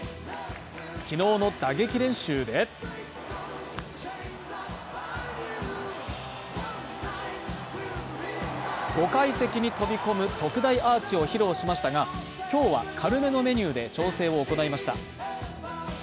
昨日の打撃練習で５階席に飛び込む特大アーチを披露しましたが、今日は軽めのメニューで調整を行いました。